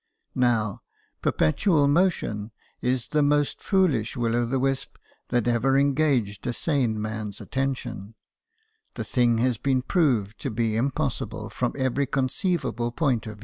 Now, perpetual motion is the most foolish will o' the wisp that ever engaged a sane man's attention : the thing has been proved to be impossible from every conceivable point of 38 BIOGRAPHIES OF WORKING MEN.